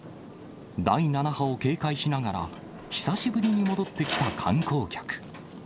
第７波を警戒しながら、久しぶりに戻ってきた観光客。